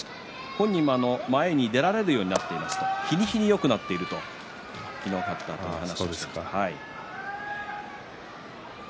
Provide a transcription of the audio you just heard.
本人も前に出られるようになっている日に日によくなっていると昨日勝ったあと話していました。